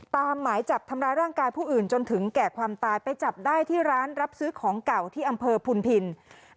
หมายจับทำร้ายร่างกายผู้อื่นจนถึงแก่ความตายไปจับได้ที่ร้านรับซื้อของเก่าที่อำเภอพุนพิน